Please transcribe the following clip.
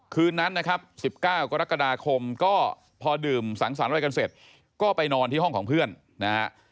คืนนั้นนะครับ๑๙กรกฎาคมก็พอดื่มสังสรรค์อะไรกันเสร็จก็ไปนอนที่ห้องของเพื่อนนะฮะ